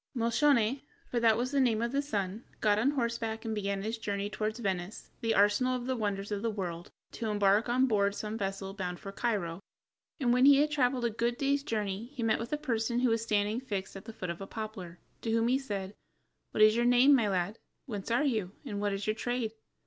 Moscione (for that was the name of the son) got on horseback and began his journey toward Venice, the arsenal of the wonders of the world, to embark on board some vessel bound for Cairo, and when he had traveled a good day's journey he met with a person who was standing fixed at the foot of a poplar, to whom he said: "What is your name, my lad, whence are you, and what is your trade?"